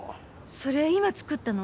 それ今作ったの？